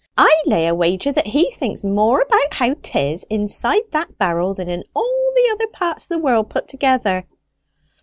"I lay a wager that he thinks more about how 'tis inside that barrel than in all the other parts of the world put together."